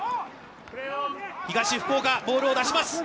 東福岡、ボールを出します。